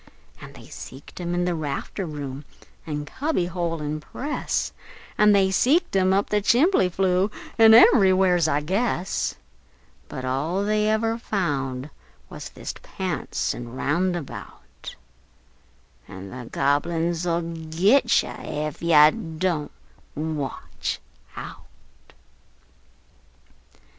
An' they seeked him in the rafter room, an' cubby hole, an' press, An' seeked him up the chimbly flue, an' ever' wheres, I guess; But all they ever found wuz thist his pants an' roundabout: An' the Gobble uns 'll git you Ef you Don't Watch Out!